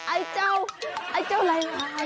ไอ้เจ้าไอ้เจ้าอะไรวะ